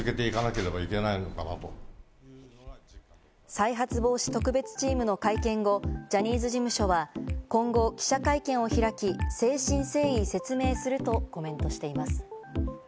再発防止特別チームの会見後、ジャニーズ事務所は今後、記者会見を開き、誠心誠意説明するとコメントしています。